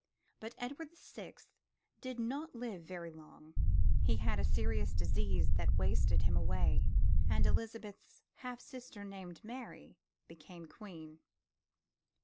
But Edward the Sixth did not live very long. He had a serious disease that wasted him away, and Elizabeth's half sister named Mary, became Queen.